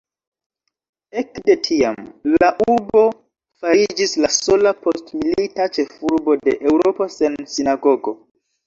Ekde tiam, la urbo fariĝis la sola postmilita ĉefurbo de Eŭropo sen sinagogo.